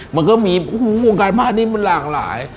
มันก็มีวงการบ้านนี้มันหลากหลาย